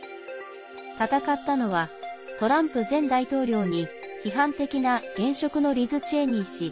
戦ったのはトランプ前大統領に批判的な現職のリズ・チェイニー氏。